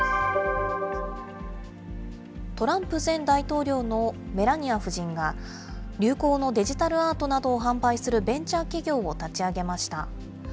トランプ前大統領のメラニア夫人が、流行のデジタルアートなどを販売するベンチャー企業を立ち上げました。